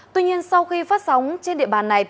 tuy nhiên sau khi phát sóng trên địa bàn này